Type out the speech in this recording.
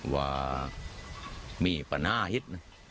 ว่ามีประนาฮิต